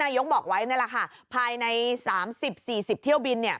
นายยงบอกไว้นี่แหละค่ะภายในสามสิบสี่สิบเที่ยวบินเนี่ย